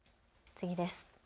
次です。